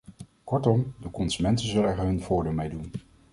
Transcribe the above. Kortom, de consumenten zullen er hun voordeel mee doen.